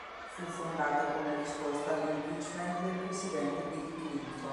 Fu fondata come risposta all'impeachment del Presidente Bill Clinton.